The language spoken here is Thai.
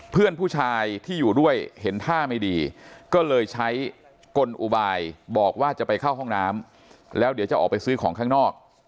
เพื่อนผู้ชายที่อยู่ด้วยเห็นท่าไม่ดีก็เลยใช้กลอุบายบอกว่าจะไปเข้าห้องน้ำแล้วเดี๋ยวจะออกไปซื้อของข้างนอก